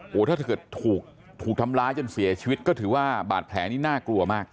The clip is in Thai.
โอ้โหถ้าเกิดถูกทำร้ายจนเสียชีวิตก็ถือว่าบาดแผลนี่น่ากลัวมาก